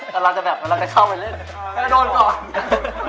กำลาดจะแบบเราก็จะเข้าไปเล่น